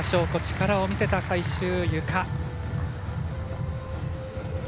力を見せた、最終ゆか。